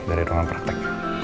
cari ruangan praktek